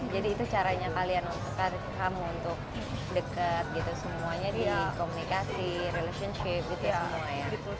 jadi itu caranya kalian untuk deket gitu semuanya di komunikasi relationship gitu semua ya